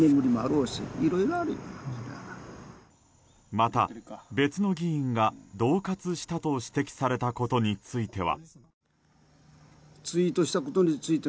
また、別の議員が恫喝したと指摘されたことについては。